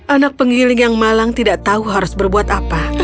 anak penggiling yang malang tidak tahu harus berbuat apa